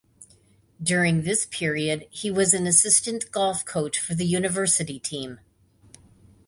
During this period he was an assistant golf coach for the university team.